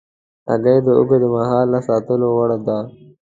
هګۍ د اوږد مهاله ساتلو وړ ده.